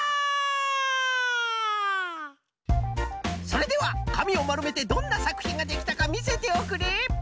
それではかみをまるめてどんなさくひんができたかみせておくれ！